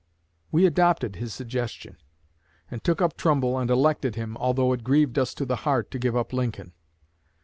We adopted his suggestion, and took up Trumbull and elected him, although it grieved us to the heart to give up Lincoln."